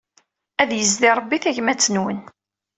Ad yezdi Rebbi tagmat-nwen.